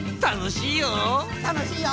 たのしいよ！